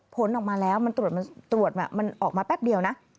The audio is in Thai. ผลออกมาแล้วมันตรวจมันออกมาแป๊บเดียวนะ